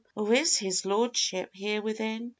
Or is his Lordship here within?